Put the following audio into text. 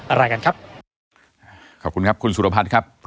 อะไรกันครับขอบคุณครับคุณสุรพันธ์ครับ